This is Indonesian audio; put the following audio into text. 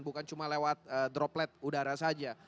bukan cuma lewat droplet udara saja